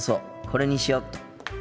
これにしよっと。